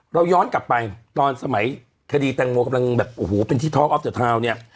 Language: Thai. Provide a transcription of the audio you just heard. ย้อนกลับไปตอนสมัยคดีแตงโมกำลังแบบโอ้โหเป็นที่ท้องออฟเตอร์ทาวน์เนี่ย